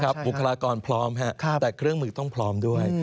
บุคลากรพร้อมแต่เครื่องมือต้องพร้อมด้วย